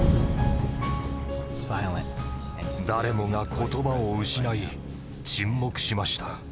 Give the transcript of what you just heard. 誰もが言葉を失い沈黙しました。